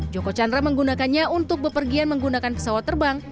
joko chandra menggunakannya untuk bepergian menggunakan pesawat terbang